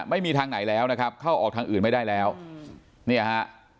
ไม่มีทางไหนแล้วนะครับเข้าออกทางอื่นไม่ได้แล้วเนี่ยฮะ